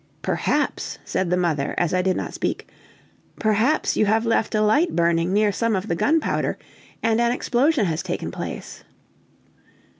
"Perhaps," said the mother, as I did not speak, "perhaps you have left a light burning near some of the gunpowder, and an explosion has taken place."